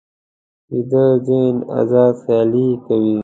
ویده ذهن ازاد خیالي کوي